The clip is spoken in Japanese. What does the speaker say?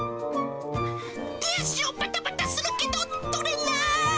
手足をばたばたするけど、取れなーい。